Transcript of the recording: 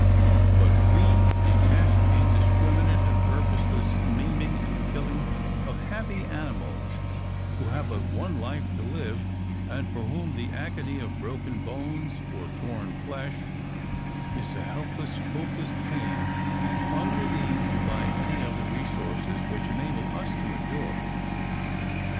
But we detest indiscriminate and purposeless maiming and killing of happy animals, who have but one life to live, and for whom the agony of broken bones or torn flesh is a helpless, hopeless pain, unrelieved by any of the resources which enable us to endure.